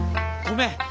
ごめん。